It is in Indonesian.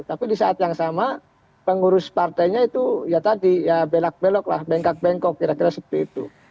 tapi di saat yang sama pengurus partainya itu ya tadi ya belak belok lah bengkak bengkok kira kira seperti itu